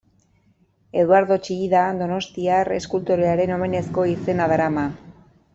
Eduardo Txillida donostiar eskultorearen omenezko izena darama.